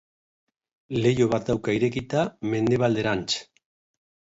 Leiho bat dauka irekita mendebalderantz.